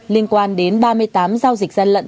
liên quan đến ba mươi tám giao dịch gian lận